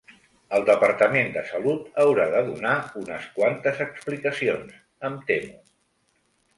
El Departament de Salut haurà de donar unes quantes explicacions, em temo.